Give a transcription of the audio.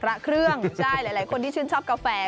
พระเครื่องใช่หลายคนที่ชื่นชอบกาแฟ